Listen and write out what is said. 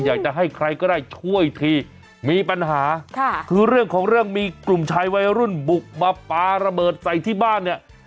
อยากจะให้ใครก็ได้ช่วยทีมีปัญหาค่ะคือเรื่องของเรื่องมีกลุ่มชายวัยรุ่นบุกมาปลาระเบิดใส่ที่บ้านเนี่ย